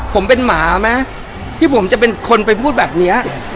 ผมเป็นหมาไหมที่ผมจะเป็นคนไปพูดแบบเนี้ย